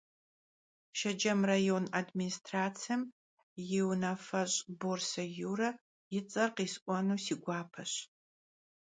Şşecem rayon administratsem yi vunafeş' Borse Yüre yi ts'er khis'uenu si guapeş.